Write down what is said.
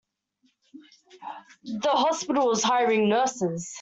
The hospital is hiring nurses.